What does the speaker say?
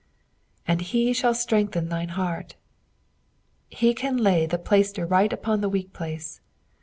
'^ And he ihail ttrengthsR thin» heart." He can lay the ptaiater right upon the weak place.